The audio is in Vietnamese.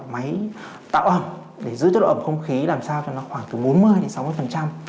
máy tạo ẩm để giữ tiếp độ ẩm không khí làm sao cho nó khoảng từ bốn mươi đến sáu mươi